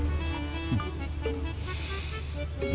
mulai detik ini